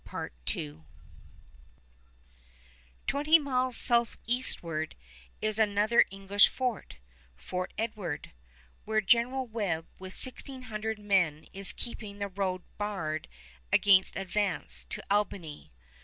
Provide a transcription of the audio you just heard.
Twenty miles southeastward is another English fort, Fort Edward, where General Webb with sixteen hundred men is keeping the road barred against advance to Albany.